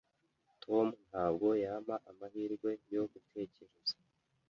Tom ntabwo yampa amahirwe yo gutekereza.